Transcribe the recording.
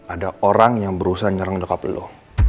ada orang yang berusaha nyerang dekap lo